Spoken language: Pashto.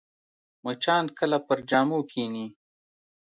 مچان کله پر جامو کښېني